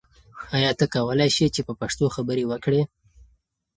ایا ته کولای شې چې په پښتو خبرې وکړې؟